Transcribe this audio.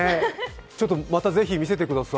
またぜひ見せてください。